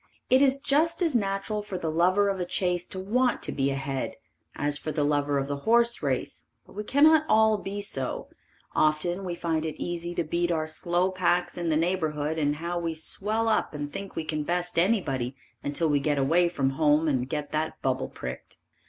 It is just as natural for the lover of a chase to want to be ahead, as for the lover of the horse race, but we cannot all be so; often we find it easy to beat our slow packs in the neighborhood and how we swell up and think we can best anybody until we get away from home and get that bubble pricked.